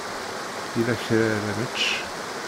Yella kra ara nečč?